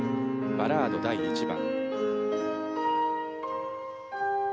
「バラード第１番」。